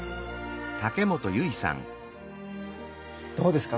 どうですか？